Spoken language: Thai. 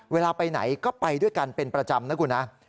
เวลาไปไหนก็ไปด้วยกันเป็นประจำนะคุณนะ